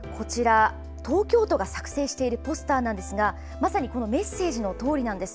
こちら東京都が作成しているポスターなんですがまさにこのメッセージのとおりなんです。